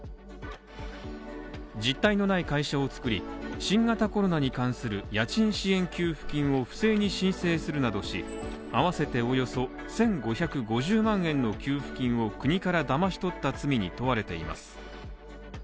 実体のない会社を作り、新型コロナに関する家賃支援給付金を不正に申請するなどし、あわせておよそ１５５０万円の給付金を国からだまし取った罪に問われています。